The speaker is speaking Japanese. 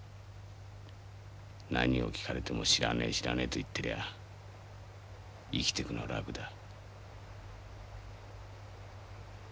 何を聞かれても「知らねえ知らねえ」と言ってりゃ生きていくのは楽だ。